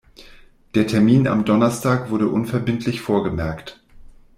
Der Termin am Donnerstag wurde unverbindlich vorgemerkt.